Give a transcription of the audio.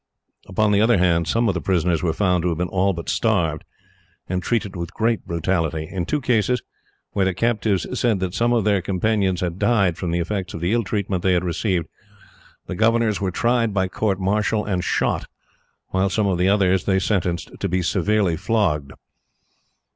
Upon the other hand, some of the prisoners were found to have been all but starved, and treated with great brutality. In two cases, where the captives said that some of their companions had died from the effects of the ill treatment they had received, the governors were tried by court martial and shot, while some of the others they sentenced to be severely flogged.